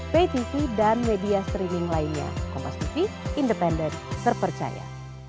patv dan media streaming lainnya kompas tv independen terpercaya